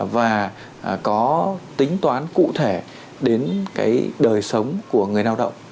và có tính toán cụ thể đến cái đời sống của người lao động